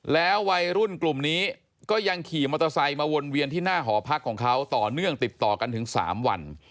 แล้ววัยรุ่นกลุ่มนี้ก็ยังขี่มอเตอร์ไซค์มาวนเวียนที่หน้าหอพักของเขาต่อเนื่องติดต่อกันถึง๓วัน